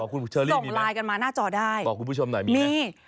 ขอบคุณเชอรี่มีไหมขอบคุณผู้ชมหน่อยมีนะส่งไลน์กันมาหน้าจอได้